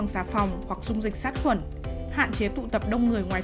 xin chào và hẹn gặp lại